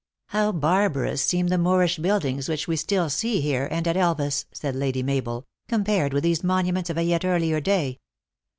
" How barbarous seem the Moorish buildings, which we still see here and at Elvas," said Lady Mabel, " compared with these monuments of a yet earlier day."